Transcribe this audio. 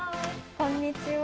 こんにちは。